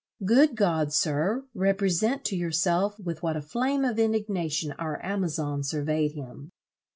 Good God, sir, represent to yourself with what a flame of indignation our amazon surveyed him!